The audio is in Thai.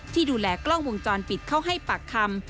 ที่ดูแลกล้องวงจรปิดเข้าให้ปากคำ